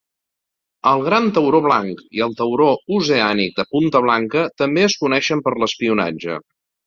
El gran tauró blanc i el tauró oceànic de punta blanca també es coneixen per l'espionatge.